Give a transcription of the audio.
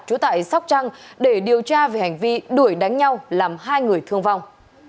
trú tại sóc trăng để điều tra về hành vi đuổi đánh nhau làm hai người thương vong